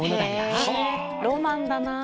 へえロマンだな。